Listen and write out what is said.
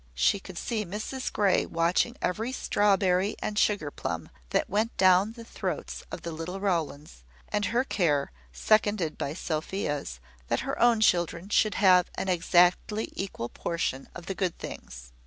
She could see Mrs Grey watching every strawberry and sugar plum that went down the throats of the little Rowlands, and her care, seconded by Sophia's, that her own children should have an exactly equal portion of the good things.